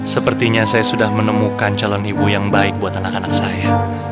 sepertinya saya sudah menemukan calon ibu yang baik buat anak anak saya